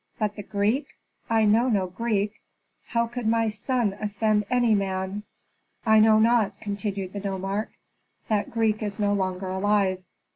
But the Greek? I know no Greek. How could my son offend any man?" "I know not," continued the nomarch. "That Greek is no longer alive.